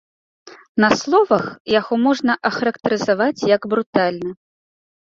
На словах яго можна ахарактарызаваць як брутальны.